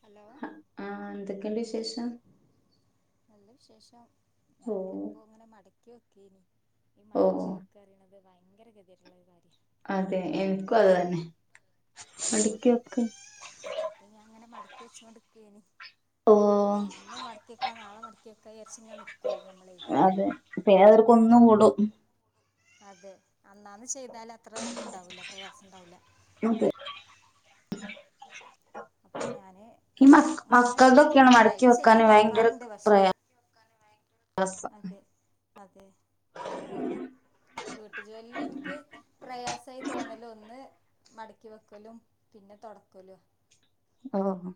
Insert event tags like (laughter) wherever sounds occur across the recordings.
Hello ആഹ എന്തൊക്കെയുണ്ട് വിശേഷം നല്ല വിശേഷം ഞാ ഓ അങ്ങനെ ഇപ്പോ ഇങ്ങനെ മടക്കി വെക്കനി ഈ ഓ മടക്ക് വെക്ക അറിയണത് ഭയങ്കര ഗതയിട്ള്ളൊരു കാര്യമാണ് അതെ എനിക്കും അത് തന്നെ അതെ മടക്കി അപ്പൊ ഞാൻ അങ്ങനെ മടക്കി വെച്ചോണ്ടിരിക്കേനി ഓ അതെ ഇന്ന് മടക്കിയക്കാ നാളെ മട ക്കെ ച്ചാരിച്ച് നിൽക്കും നമ്മളെയ് അപ്പൊ അതങ്ങ് കുന്ന് കൂടും അതെ അന്നാന്ന് ചെയ്താല് അത്ര ഇതുണ്ടാവില്ല പ്രയാസംണ്ടാവൂല്ല അതെ അപ്പൊ ഞാന് ഈ മ അങ്ങനെ മക്കളതൊക്കെയാണ് മടക്കി ഡയലി ചെയ്യാൻ വെക്കാന് ഭയങ്കര നോക്കാറുണ്ട് പക്ഷെ (unintelligible) ഡ്രസ്റ്റോ അതെ അതെ (inaudible) വീട്ടു ജോലിൽ എനിക്ക് പ്രയാസമായി തോന്നല്ല് ഒന്ന് മടക്കി വെക്കലും പിന്നെ തൊടക്കലും ഓഹ്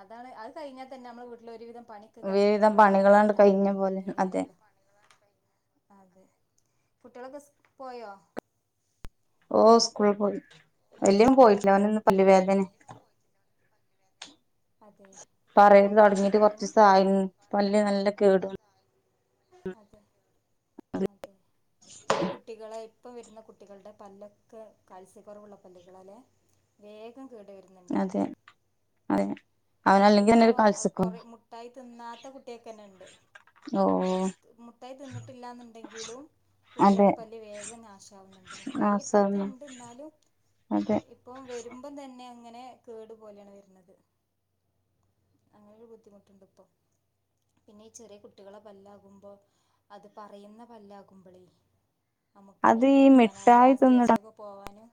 അതാണ് അത് കഴിഞ്ഞാൽ തന്നെ നമ്മൾ വീട്ടിലെ ഒരുവിധം പണി കഴിഞ്ഞരു ഒരുവിധം പണികളാണ്ട് കഴിഞ്ഞ ഇതാണല്ലോ പോലെ അതെ മേനയാണല്ലോ അതെ കുട്ടികളൊക്കെ പോയോ ഓഹ സ്കൂളിൽ പോയി വല്യോൻ പോയിട്ടില്ല ഓന് അതെല്ലെ പറയത് പൊത്തുണ്ടോ തുടങ്ങിട്ട് പല്ലിന് കൊറച്ച്സായ പല്ല് നല്ല കേടു അതെ അതെ ഈ കുട്ടികളെ ഇപ്പം വരുന്ന കുട്ടികളുടെ പല്ലൊക്കെ കാൽസ്യക്കുറവുള്ള പല്ലുകളാലെ വേഗം കേടു വരു- അതെ അതെ അവനല്ലെങ്കിൽ അതിപ്പോ തന്നെ ഒരു കൊറെ കാൽസ്യക്കുറവാ മുട്ടായി തിന്നാത്ത കുട്ടിക്കെന്നെ ഇണ്ട് ഓഹ് മുട്ടായി തിന്നിട്ടില്ലന്നുണ്ടെങ്കിലും അതെ കുട്ടികളെ പല്ല്‌ വേഗം നാശാവുന്നുണ്ട് ആ മുട്ടായി സാറിന് എത്തീട്ട്ണ്ട് എന്നാലും അതെ ഇപ്പം വരുമ്പം തന്നെ അങ്ങനെ കേടു പോലെയാണ് വരുന്നത് അങ്ങനെൊരു ബുദ്ധിമുട്ടുണ്ട് ഇപ്പൊ പിന്നെ ഈ ചെറിയ കുട്ടികളെ പല്ലാകുമ്പോ അത് പറിയുന്ന പല്ല് ആകുമ്പളേ നമുക്ക് അത് ഈ റൂട്ട് കനാല് മിഠായി ആ തിന്നിട സ്റ്റേജിലൊക്കെ പോവാനും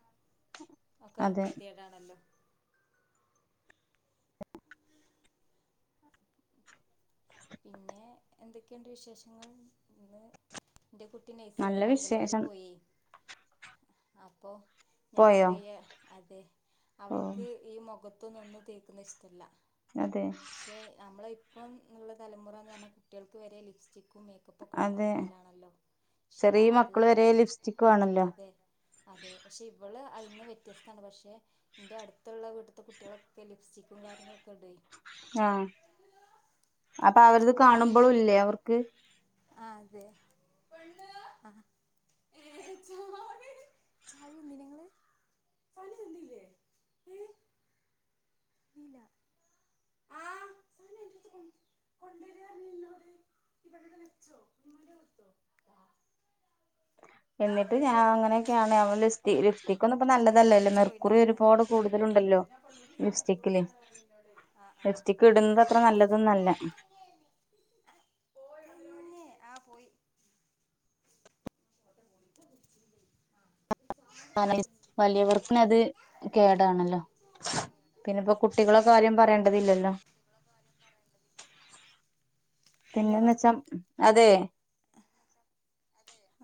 ഒക്കെ അതെ കെതിയേടണല്ലോ (inaudible) പിന്നെ എന്തൊക്കെയുണ്ട് വിശേഷങ്ങൾ ഇന്ന് എന്റെ കുട്ടി നെയ്സ നല്ല അംഗൽവാടി വിശേഷം പോയി അപ്പൊ ഞാൻ പോയോ പറയ അതെ ഓ അവൾക്ക് ഈ മുഖത്തൊന്നൊന്നും തേക്കുന്ന ഇഷ്ടമല്ല അതെ പക്ഷെ നമ്മള ഇപ്പം ഉള്ള തലമുറ എന്ന് പറഞ്ഞാൽ കുട്ടികൾക്ക് വരെ ലി പ്പ്സ്റ്റിക്കും മേക്കപ്പും ഒക്കെ ഇടുന്ന ഒരു അതെ കാലാണല്ലോ പക്ഷെ ചെറിയ അത് മക്കള് വരെ ലിപ്സ്റ്റിക് വേണല്ലോ അതെ അതെ പക്ഷെ ഇവള് അയിന്ന് വ്യത്യസ്താണ് പക്ഷേ എന്റെ അടുത്തുള്ള വീട്ടത്തെ കുട്ടികളൊക്കെ ലിപ്സ്റ്റിക്കും കാര്യങ്ങളൊക്കെ ഇടുയി ആഹ അപ്പൊ അവരത് കാണുമ്പോഴും ഇല്ലേ അവർക്ക് ആഹ അതെ ആഹ ഏഹ് ചാവീ എട് ചാവീ താന്നീനോ നിങ്ങള്? ഫാലു തന്നില്ലേ ഏഹ്. ഇല. ആഹ് കൊണ്ട് വര്യാ പറഞ്ഞ് ഇന്നോട്. നീ ഇവിടെ വച്ചോ (unintelligible) കൊടുത്തോ. ദാ എന്നിട്ട് ഇവിടെ ഞാൻ ഉണ്ട് അങ്ങനെയൊക്കെയാണ് അവളു സ് ലിപ്സ്റ്റിക് ഒന്നും ഇപ്പോ ഞാൻ ഓൻ നല്ലതല്ലല്ലോ വെച്ച് മെർക്കുറി പോയിണ്ടാവും എന്നാല് ഒരുപാട് കൂടുതലുണ്ടല്ലോ ഞാൻ കൊണ്ടുവരും സാധനം ലിപ്സ്റ്റിക്കില്. കൊടുക്കാന്ന് പറഞ്ഞു നിന്നോട് ആഹ് ആഹ് ലിപ്സ്റ്റിക് ഇടുന്നത് അത്ര നല്ലത് തോന്നുവല്ല. പോയോ കുഞ്ഞേ ആഹ് പോയി. ആഹ്. ആഹ് വലിയവർക്കുള്ളത് കേടാണല്ലോ. പിന്നെപ്പോ കുട്ടികളുടെ കാര്യം പറയേണ്ടതില്ലല്ലോ. നിങ്ങടെ കാര്യം പറയേണ്ടതില്ലല്ലോ. പിന്നെന്ന് വെച്ചാ അതെ.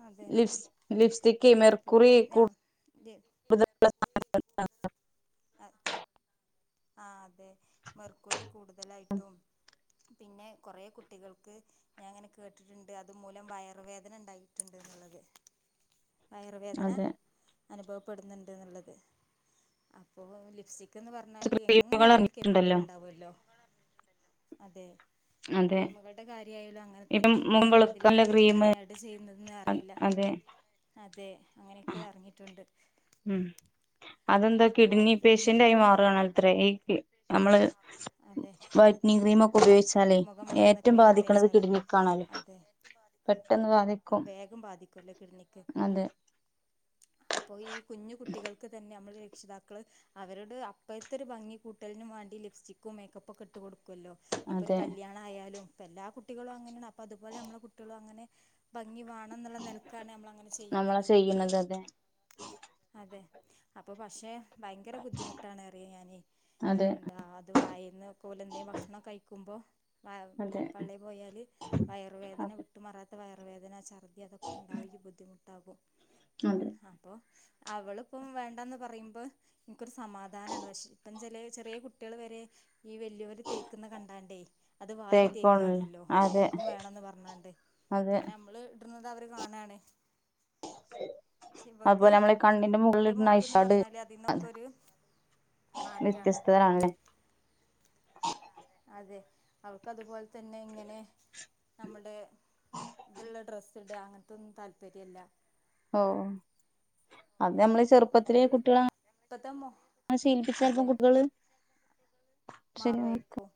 അതെ ലിപ് ലിപ്സ്റ്റിക്ക് മെർകുറി കൂട് തല്. ആ ആഹ് അതെ മെർക്കുറി കൂടുതലായിട്ടും. പിന്നെ കുറെ കുട്ടികൾക്ക്. ഞാൻ ഇങ്ങനെ കേട്ടിട്ടുണ്ട് അതുമൂലം വയറ് വേദന ഉണ്ടായിട്ടുണ്ട് എന്നുള്ളത്. വയറുവേദന അതെ അനുഭവപ്പെടുന്നുണ്ട് എന്നുള്ളത്. അപ്പോ ലിപ്സ്റ്റിക് എന്ന് പറഞ്ഞാല് ക്രീമുകൾ എങ്ങനെയാലും അതിൽ കെമിക്കൽ ഇറങ്ങിയിട്ടുണ്ടല്ലോ ഉണ്ടാവൂല്ലോ. അതെ അതെ ക്രീമുകളുടെ കാര്യയാലോ അങ്ങ അങ്ങനെ ഇപ്പം തന്നെ മുഖം അതിലൊക്കെ വെളുക്കാനുള്ള ക്രീം എന്തൊക്കെയാണ് ആഡ് ചെയ്യുന്നത് എന്ന് അറിയില്ല. അതെ അതെ അങ്ങനെയൊക്കെ ഇറങ്ങിട്ടുണ്ട്. ഉം അതെന്താ കിഡ്നി പേഷ്യന്റ് ആയി നമ്മളിപ്പോൾ മാറുവാണ് അത്ര ഈ നമ്മള് അതെ വൈറ്റ്നിങ്ങ് ക്രീമോക്കെ ഉപയോഗിച്ചാലേ മുഖം വെളുക്കുന്ന ഏറ്റവും ക്രീമൊക്കെ ബാധിക്കണത് തേച്ചാൽ കിഡ്നിക്ക്. അതെ ബാധിക്കും വേഗം ബാധിക്കുല്ലോ കിഡനിക്ക്. അതെ (inaudible) അപ്പൊ ഈ കുഞ്ഞു കുട്ടികൾക്ക് തന്നെ നമ്മള് രക്ഷിതാക്കള് അവരോട് അപ്പഴത്തെ ഒരു ഭംഗി കൂട്ട ട്ടലിന് വേണ്ടി ലിപ്സ്റ്റിക്കും മേക്കപ്പൊക്കെ ഇട്ട് കൊടുക്കുവല്ലോ ഇനിയിപ്പോരു അതെ കല്യാണ ണം ആയാലും ഇപ്പോ എല്ലാ കുട്ടികളും അങ്ങനെയാണ് അപ്പ അതുപോലെ നമ്മളെ കുട്ടികളും അങ്ങനെ. ഭംഗി വേണം എന്നുള്ള നിലക്കാണ് നമ്മൾ അങ്ങനെ നമ്മളാ ചെയ്യുന്നത്. ചെയ്യണത് അതെ അതെ അപ്പൊ പക്ഷെ ഭയങ്കര ബുദ്ധിമുട്ടാണ് അറിയ ഞാനേ. അതെ എന്താ അത് വായിന്ന് പോലെ എന്തെലും ഭക്ഷണം ഒക്കെ കഴിക്കുമ്പോൾ അതെ പള്ളേ പോയാല് വയറുവേദന അതെ വിട്ടുമാറാത്ത വയറുവേദന, ഛർദി അതൊക്കെ ഉണ്ടാവും ഈ ബുദ്ധിമുട്ട് ഉണ്ടാകും. അതെ. അപ്പോ അവളിപ്പം വേണ്ടന്ന് പറയുമ്പോ എനിക്കൊരു സമാധാനമാണ് പക്ഷെ ഇപ്പം ചിലേ ചെറിയ കുട്ടികൾ വരെ ഈ വലിയവര് തേക്കുന്നത് കണ്ടാണ്ടേ. അത് വാരി തേക്കോണ തേക്കു വാണല്ലോ അതെ എനിക്കും വേണമെന്ന് പറഞ്ഞാണ്ട് അതെ കാരണം നമ്മള് ഇട്ടുന്നത് അവര് കാണുകാണ്. ശിവക്ക് അതുപോലെ നമ്മളെ കണ്ണിന്റെ എന്റെ മുകളിലിടുന്ന മോക്ക്ന്ന് ഐഷാഡ് പറഞ്ഞാല് അതിൽ നിന്നൊക്കെ ഒരു മാറ്റാണ് വ്യത്യസ്തത ആണല്ലേ. അതെ അവൾക് അതുപോലെ തന്നെ ഇങ്ങനെ നമ്മുടെ ഇതുള്ള ഡ്രസ്സ് ഇടുക അങ്ങനത്തോന്നും താല്പര്യം ഇല്ല. ഓഹ് അത് നമ്മള് ചെറുപ്പത്തിലെ ഒരു കുട്ടികളെ അങ്ങ്. ഇപ്പത്തെ മോ അത് ശീലിപ്പിച്ച ചിലപ്പം അതെ കുട്ടികള്. ശരിയാണ് മാറുവായിരിക്കും.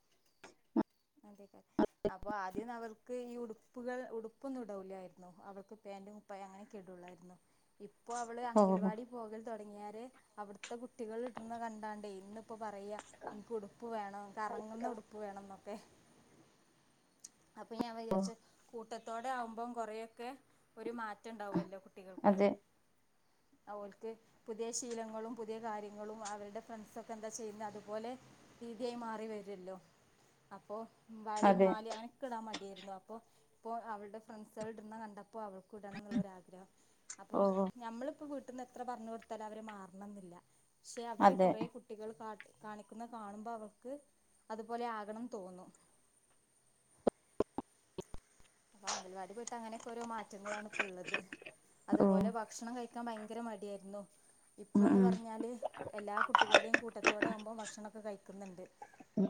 അതേകാരം. അപ്പം ആദ്യന്നവർക്ക് ഈ ഉടുപ്പുകൾ ഉടുപ്പൊന്നും ഇടു ലായിരുന്നു അവൾക്ക് പേന്റ് പായാ അങ്ങനെയൊക്കെ ഇടുള്ളായിരുന്നു ഇപ്പോ അവള് ഓ അങ്കൽവാടി പോകൽ തൊട്ങ്ങ്യാരെ അവിട് ത്തെ കുട്ടികൾ ഇട്ന്ന കണ്ടാണ്ടേ ഇന്നിപ്പ പറയ ഇൻക്ക് ഉടു പ്പ് വേണം കറങ്ങുന്ന ഉടുപ്പ് വേണം എന്നൊക്കെ. അപ്പൊ ഞാൻ വിചാരിച്ച് കൂട്ടത്തോടെ ആവുമ്പം കൊറൊയൊക്കെ ഒരു മാറ്റം ഇണ്ടാവല്ലോ കുട്ടികൾക്ക്. അതെ ഓൽക്ക് പുതിയ ശീലങ്ങളും പുതിയ കാര്യങ്ങളും അവര്ടെ ഫ്രണ്ട്സൊക്കെ എന്താ ചെയ്യ്ന്നെ അതുപോലെ രീതിയായി മാറി വരൊല്ലോ അപ്പൊ വളീം അതെ മാലിം അങ്ങനെ ക്കെ ഇടാൻ മട്യായ്രുന്നു അപ്പോ ഇപ്പോൾ അവൾടെ ഫ്രണ്ട്സൾ ഇട് ണ കണ്ടപ്പോ അവൾ കുടണം എന്നുള്ള ആഗ്രഹം അപ്പോ ഓ നമ്മളിപ്പോവി വീട്ട്ന്ന് എത്ര പർഞ് കൊട്ത്താലും അവര് മാറണംന്നില്ല ക്ഷെ അവര് അതെ കൊറേ കു ട്ടികൾ കാ കാണിക്കുന്നെ കാണുമ്പ അവൾക്ക് അതുപോലെ ആകണം തോന്നും. അപ്പ അംഗൽവാടി പോയ്ട്ട് അങ്ങനെയൊക്ക ഓരോ മാറ്റങ്ങളാണ് ഇപ്പ ഇള്ളത് ഓ അതുപോലെഭ ക്ഷണം കഴിക്കാൻ ഭയങ്കര മടിയാര് ന്നു. ഉം ഇപ്പൊന്ന് ഉം പർഞ്ഞാല് എല്ലാ കുട്ടികൾടെയും കൂട്ടത്തോടെ ആവുമ്പോ ഭക്ഷണൊക്കെ കഴിക്ക് ന്ന്‌ണ്ട്. മ്.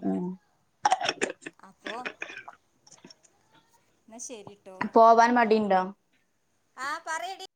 അപ്പൊ ഇന്നാ ശെരി പോവാൻ മടിണ്ടോ? ആ പറയെടി.